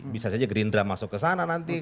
bisa saja gerindra masuk ke sana nanti